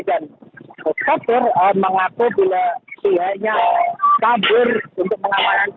dan sopir mengaku bila pihaknya kabur untuk mengawal